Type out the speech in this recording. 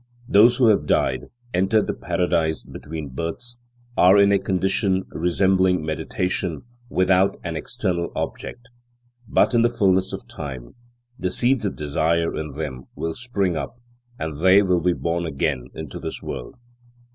Those who have died, entered the paradise between births, are in a condition resembling meditation without an external object. But in the fullness of time, the seeds of desire in them will spring up, and they will be born again into this world.